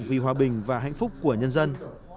vì hòa bình và hạnh phúc của nhân dân